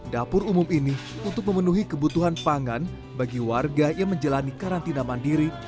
dapur umum ini untuk memenuhi kebutuhan pangan bagi warga yang menjalani karantina mandiri